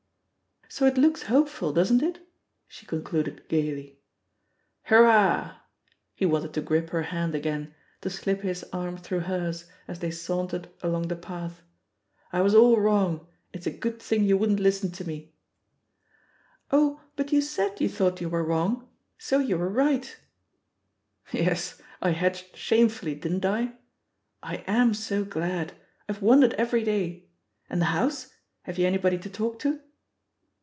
"So it looks hopeful, doesn't it?'* she concluded gaily "Hurrah 1" He wanted to grip her hand again, to slip his arm through hers, as they saun tered along the path. "I was all wrong; it's a good thing you wouldn't listen to me." THE POSITION OF PEGGY HABPEE Jll ^'Ohy but you said you thought you were wrong — so you were right 1" "Yes, I hedged shamefully, didn't I? I am so glad; IVe wondered every day. And the house — have you anybody to talk to?"